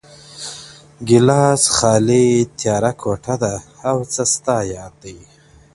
گيلاس خالي، تياره کوټه ده او څه ستا ياد دی,